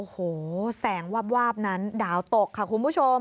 โอ้โหแสงวาบนั้นดาวตกค่ะคุณผู้ชม